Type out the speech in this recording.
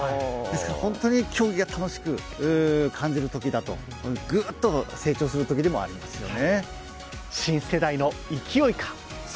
本当に競技が楽しく感じるときだとぐっと成長するときでもありますよね。